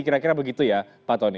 kira kira begitu ya pak tony